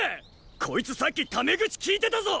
こいつさっきタメ口きいてたぞ！